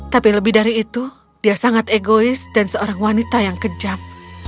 tapi lebih dari itu dia sangat egois dan seorang wanita yang kejam